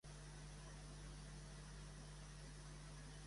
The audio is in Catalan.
Un segon viatge va tornar a Ugarrowwa per recollir més material.